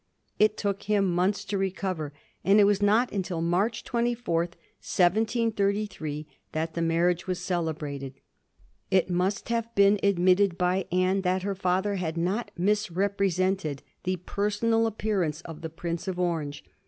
It took him months to recov er, and it was not until March 24, 1733, that the marriage was celebrated. It must have been admitted by Anne that her father had not misrepresented the personal ap pearance of the Prince of Orange.